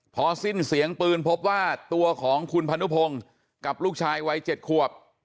พอสิ้นเสียงปืนพบว่าตัวของคุณพนุพงศ์กับลูกชายวัย๗ขวบ